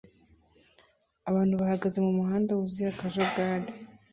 Abantu bahagaze mumuhanda wuzuye akajagari